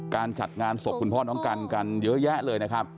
จัดงานศพคุณพ่อน้องกันกันเยอะแยะเลยนะครับ